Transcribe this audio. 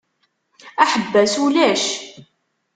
Aḥebbas ulac.